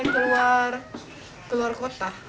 keluar keluar kota